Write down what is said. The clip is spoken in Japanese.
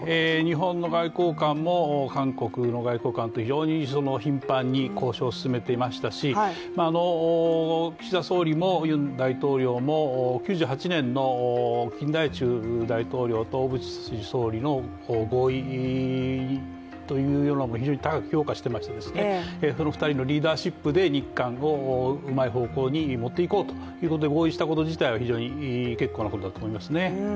日本の外交官も韓国の外交官と非常に頻繁に交渉を進めていましたし岸田総理もユン大統領も９８年の金大中大統領と小渕総理の合意というのも非常に高く評価してまして、その２人のリーダーシップで日韓をうまい方向にもっていこうということで合意したこと自体は非常に結構なことだと思いますね。